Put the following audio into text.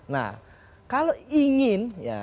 nah kalau ingin ya